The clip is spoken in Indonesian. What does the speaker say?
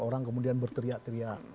orang kemudian berteriak teriak